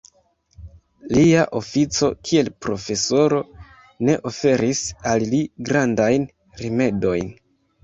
Lia ofico kiel profesoro ne oferis al li grandajn rimedojn.